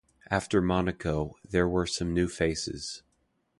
After Monaco, there were some new faces.